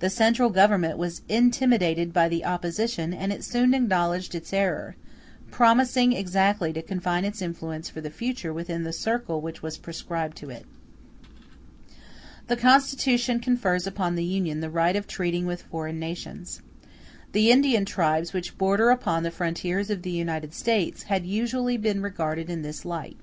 The central Government was intimidated by the opposition; and it soon acknowledged its error, promising exactly to confine its influence for the future within the circle which was prescribed to it. The Constitution confers upon the Union the right of treating with foreign nations. The Indian tribes, which border upon the frontiers of the United States, had usually been regarded in this light.